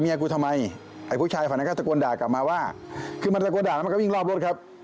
เนี่ยนะฮะก็ถ่ายคลิปไว้เป็นหลักค้านได้นะครับ